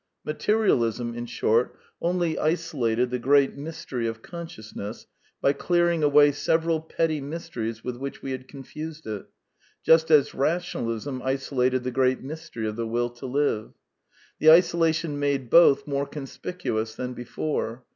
Materialism, in short, only iso # lated the great mystery of consciousness by clear ing away several petty mysteries with which we had confused it; just as Rationalism isolated the great mystery of the will to live. The isolation made both more conspicuous than before.